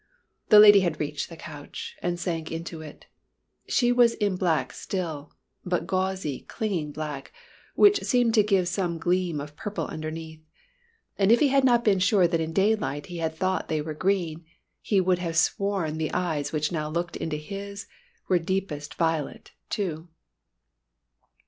The lady had reached the couch, and sank into it. She was in black still, but gauzy, clinging black, which seemed to give some gleam of purple underneath. And if he had not been sure that in daylight he had thought they were green, he would have sworn the eyes which now looked into his were deepest violet, too.